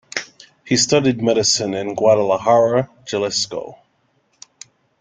He studied medicine in Guadalajara, Jalisco.